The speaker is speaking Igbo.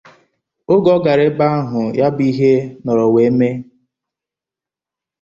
Oge ọ gara n'ebe ahụ ya bụ ihe nọrọ wee mee